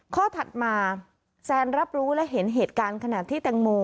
ถัดมาแซนรับรู้และเห็นเหตุการณ์ขณะที่แตงโม